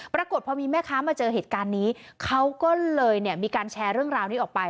ปรากฏพอมีแม่ค้ามาเจอเหตุการณ์นี้เขาก็เลยเนี่ยมีการแชร์เรื่องราวนี้ออกไป